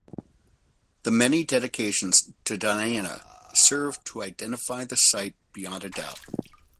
The many dedications to Diana serve to identify the site beyond a doubt.